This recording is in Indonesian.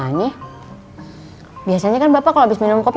hai biasanya kan bapak abis minum kopi